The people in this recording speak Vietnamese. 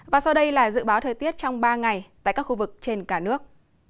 và sau đây là dự báo thời tiết trong ba ngày tại các khu vực trên cả nước